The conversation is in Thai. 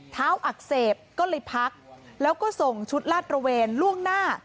อักเสบก็เลยพักแล้วก็ส่งชุดลาดระเวนล่วงหน้า